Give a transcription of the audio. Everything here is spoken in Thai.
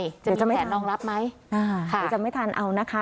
เจอจะไม่ทันจะมีแผนนองรับไหมค่ะเดี๋ยวจะไม่ทันเอานะคะ